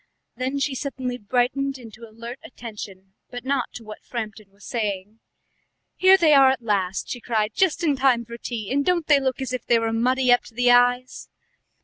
Then she suddenly brightened into alert attention—but not to what Framton was saying. "Here they are at last!" she cried. "Just in time for tea, and don't they look as if they were muddy up to the eyes!"